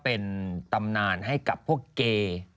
เป็นตำนานให้กับพวกเก